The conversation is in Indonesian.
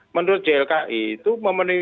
menurut ilki itu memenuhi